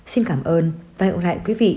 xin cảm ơn và hẹn gặp lại quý vị